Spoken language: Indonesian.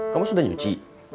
kamu sudah nyuci